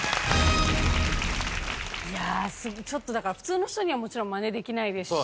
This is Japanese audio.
ちょっとだから普通の人にはもちろんマネできないですし。